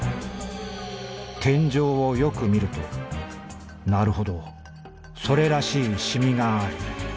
天井をよくみるとなるほどそれらしいシミがある。